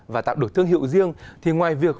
và tạo được thương hiệu riêng thì ngoài việc